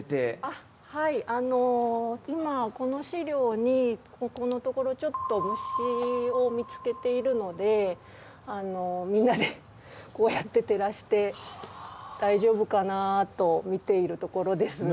あっはいあの今この資料にここのところちょっと虫を見つけているのでみんなでこうやって照らして大丈夫かなと見ているところです。